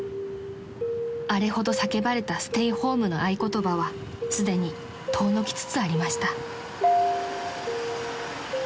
［あれほど叫ばれたステイホームの合言葉はすでに遠のきつつありました］